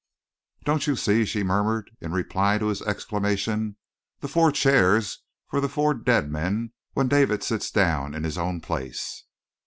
"Don't you see?" she murmured in reply to his exclamation. "The four chairs for the four dead men when David sits down in his own place?"